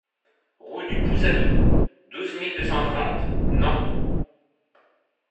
Rue du Pouzadou, douze mille deux cent trente Nant